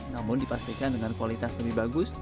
namun dipastikan dengan kualitas lebih bagus